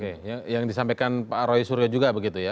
oke yang disampaikan pak roy suryo juga begitu ya